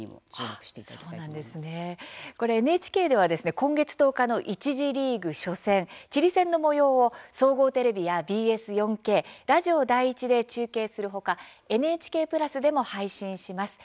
ＮＨＫでは今月１０日の一次リーグ初戦、チリ戦のもようを総合テレビやＢＳ４Ｋラジオ第１で中継する他ＮＨＫプラスでも配信します。